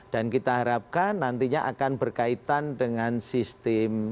dan kita harapkan nantinya akan berkaitan dengan sistem akreditasi